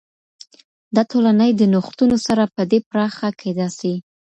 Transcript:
دا ټولني د نوښتونو سره په دی پراخه کيدا سي.